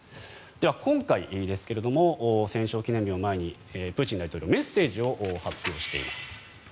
では、今回ですが戦勝記念日を前にプーチン大統領メッセージを発表しています。